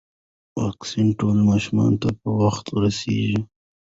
واکسین ټولو ماشومانو ته په وخت رسیږي.